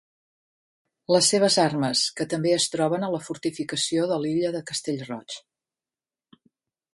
Les seves armes que també es troben a la fortificació de l'illa de Castellroig.